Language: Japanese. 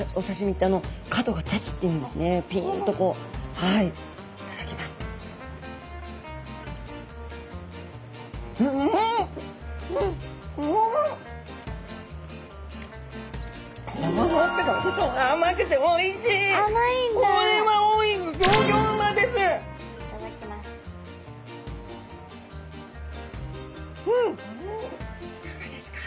いかがですか？